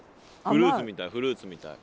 フルーツみたいフルーツみたい。